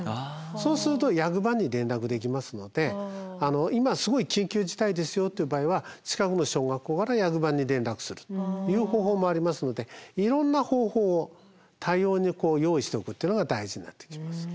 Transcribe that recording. そうすると役場に連絡できますので今すごい緊急事態ですよという場合は近くの小学校から役場に連絡するという方法もありますのでいろんな方法を多様に用意しておくっていうのが大事になってきます。